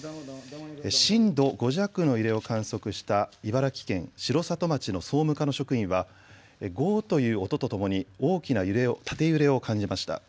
震度５弱の揺れを観測した茨城県城里町の総務課の職員は、ゴーっという音とともに大きな縦揺れを感じました。